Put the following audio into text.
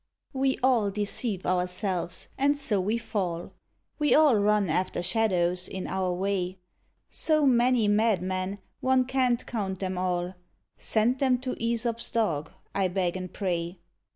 We all deceive ourselves, and so we fall; We all run after shadows, in our way: So many madmen, one can't count them all; Send them to Æsop's Dog, I beg and pray.